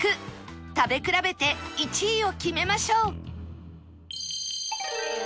食べ比べて１位を決めましょう